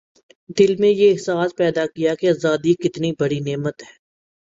دل میں یہ احساس پیدا کیا کہ آزادی کتنی بڑی نعمت ہے